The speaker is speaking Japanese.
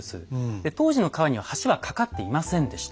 で当時の川には橋は架かっていませんでした。